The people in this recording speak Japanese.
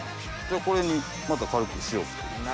これにまた軽く塩を振っていきます。